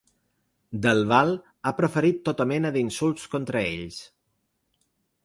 Del Val ha proferit tota mena d’insults contra ells.